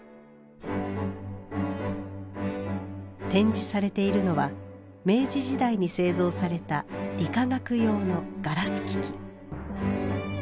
展示されているのは明治時代に製造された理化学用のガラス機器。